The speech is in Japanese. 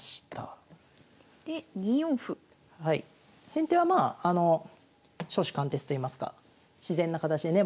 先手はまあ初志貫徹といいますか自然な形でね